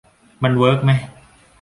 มันเวิร์กมะ ?